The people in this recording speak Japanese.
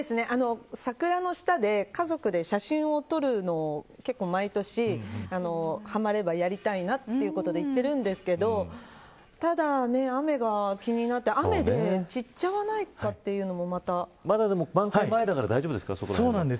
桜の下で家族で写真を撮るのを結構毎年、はまればやりたいなということで行ってるんですけどただ、雨が気になって雨で散っちゃわないかというのもまだ満開前だから大丈夫ですか。